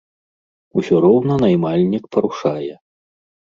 Усё роўна наймальнік парушае.